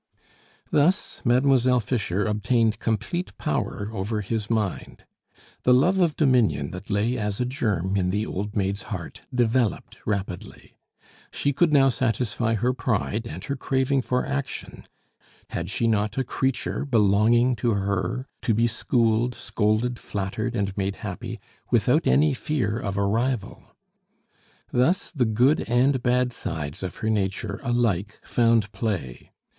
Thus Mademoiselle Fischer obtained complete power over his mind. The love of dominion that lay as a germ in the old maid's heart developed rapidly. She could now satisfy her pride and her craving for action; had she not a creature belonging to her, to be schooled, scolded, flattered, and made happy, without any fear of a rival? Thus the good and bad sides of her nature alike found play.